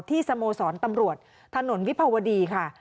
สโมสรตำรวจถนนวิภาวดีค่ะ